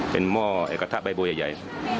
เป็นหม้อเอกฐะใบบูยใหญ่